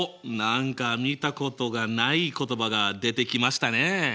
何か見たことがない言葉が出てきましたねえ。